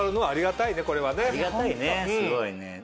ありがたいねすごいね。